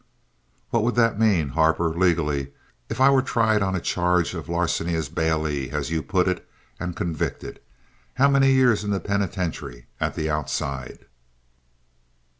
"What would that mean, Harper, legally, if I were tried on a charge of larceny as bailee, as you put it, and convicted? How many years in the penitentiary at the outside?"